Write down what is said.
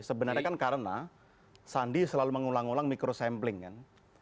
sebenarnya kan karena sandi selalu mengulang ulang mikro sampling kan